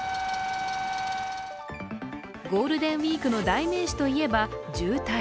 ゴールデンウイークの代名詞といえば渋滞。